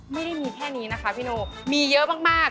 ไม่ได้มีแค่นี้นะคะพี่โนมีเยอะมาก